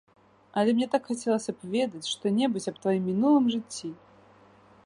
Але мне так хацелася б ведаць, што-небудзь аб тваім мінулым жыцці.